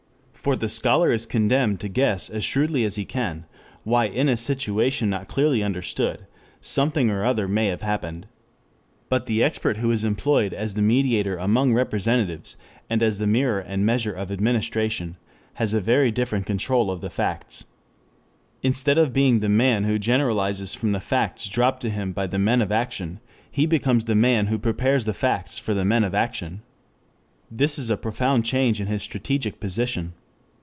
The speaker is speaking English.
For the scholar is condemned to guess as shrewdly as he can why in a situation not clearly understood something or other may have happened. But the expert who is employed as the mediator among representatives, and as the mirror and measure of administration, has a very different control of the facts. Instead of being the man who generalizes from the facts dropped to him by the men of action, he becomes the man who prepares the facts for the men of action. This is a profound change in his strategic position.